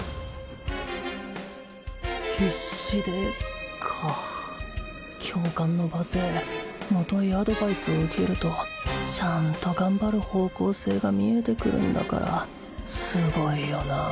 必死でか教官の罵声もといアドバイスを受けるとちゃんと頑張る方向性が見えてくるんだからすごいよなあ